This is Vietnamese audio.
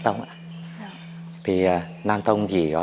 cũng sẽ không nhiều